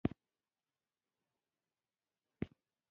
د ژبې د لیکلو او لوستلو مهارتونه د هغې وده کې مرسته کوي.